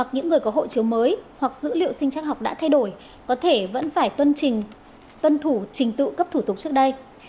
những người có hộ chiếu mới hoặc dữ liệu sinh chắc học đã thay đổi có thể vẫn phải tuân thủ trình tự cấp thủ tục trước đây